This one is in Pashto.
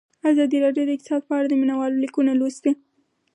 ازادي راډیو د اقتصاد په اړه د مینه والو لیکونه لوستي.